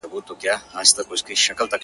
زما د آشنا غرونو کيسې کولې!